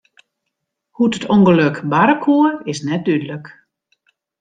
Hoe't it ûngelok barre koe, is net dúdlik.